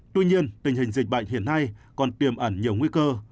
tuy nhiên tình hình dịch bệnh hiện nay còn tiềm ẩn nhiều nguy cơ